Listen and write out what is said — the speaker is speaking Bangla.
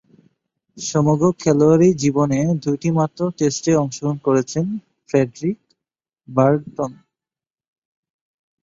সমগ্র খেলোয়াড়ী জীবনে দুইটিমাত্র টেস্টে অংশগ্রহণ করেছেন ফ্রেডরিক বার্টন।